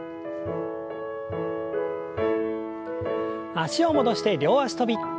脚を戻して両脚跳び。